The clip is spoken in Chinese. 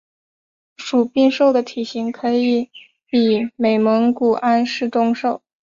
伟鬣兽的体型可以比美蒙古安氏中兽。